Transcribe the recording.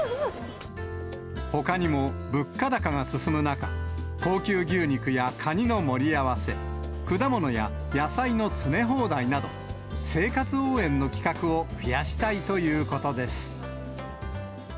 ほかにも、物価高が進む中、高級牛肉やカニの盛り合わせ、果物や野菜の詰め放題など、生活応援の企画を増やしたいということです。